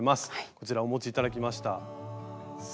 こちらお持ち頂きました作品の数々。